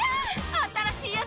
新しいやつ！